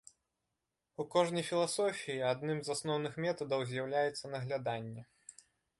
У кожнай філасофіі адным з асноўных метадаў з'яўляецца нагляданне.